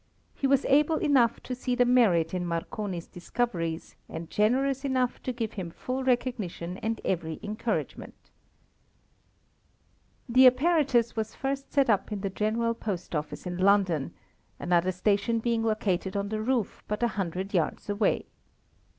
He was able enough to see the merit in Marconi's discoveries and generous enough to give him full recognition and every encouragement. The apparatus was first set up in the General Post office in London, another station being located on the roof but a hundred yards away.